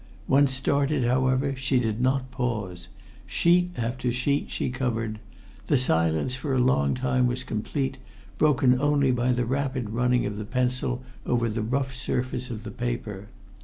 Once started, however, she did not pause. Sheet after sheet she covered. The silence for a long time was complete, broken only by the rapid running of the pencil over the rough surface of the paper.